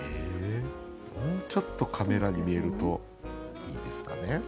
もうちょっとカメラに見えるといいですかね。